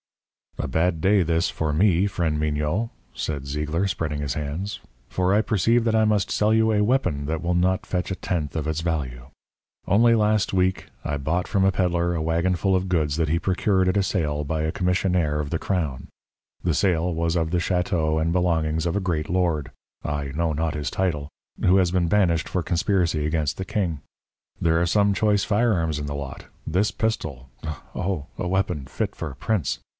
"A bad day, this, for me, friend Mignot," said Zeigler, spreading his hands, "for I perceive that I must sell you a weapon that will not fetch a tenth of its value. Only last I week I bought from a peddlar a wagon full of goods that he procured at a sale by a commissionaire of the crown. The sale was of the château and belongings of a great lord I know not his title who has been banished for conspiracy against the king. There are some choice firearms in the lot. This pistol oh, a weapon fit for a prince!